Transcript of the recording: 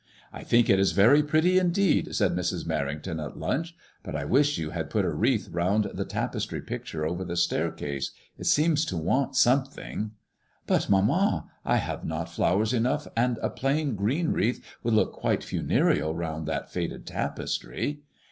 " I think it is very pretty in deed," said Mrs. Merrington at lunch ;but I wish you had put a wreath round the tapestry pic ture over the staircase. It seems to want something.*' But, mamma, I have not flowers enough, and a plain green wreath would look quite funereal round that faded tapestry."